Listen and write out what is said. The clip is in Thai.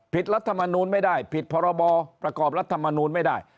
รัฐมนูลไม่ได้ผิดพรบประกอบรัฐมนูลไม่ได้